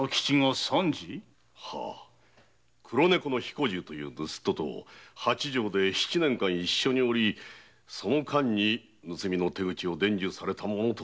黒猫の彦十という盗っ人と八丈島で七年間一緒におり盗みの手口を伝授されたものと。